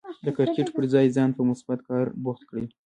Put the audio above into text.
د کرکټ پر ځای ځان په مثبت کار بوخت کړئ.